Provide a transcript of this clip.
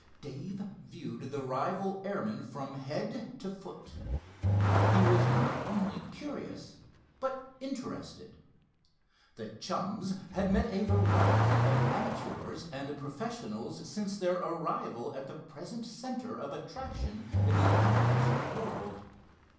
Dave viewed the rival airman from head to foot. He was not only curious, but interested. The chums had met a variety of amateurs and professionals since their arrival at the present centre of attraction in the aviation world.